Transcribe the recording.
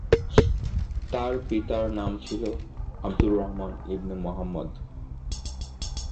তার পিতার নাম ছিলো আব্দুর রহমান ইবনে মুহাম্মাদ।